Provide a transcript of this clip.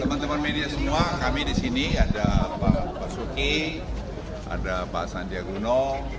teman teman media semua kami di sini ada pak basuki ada pak sandiagono